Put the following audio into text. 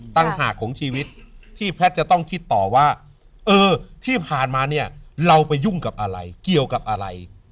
ต่างหากของชีวิตที่แพทย์จะต้องคิดต่อว่าเออที่ผ่านมาเนี่ยเราไปยุ่งกับอะไรเกี่ยวกับอะไร